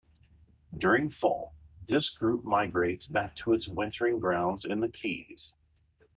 During fall, this group migrates back to its wintering grounds in the Keys.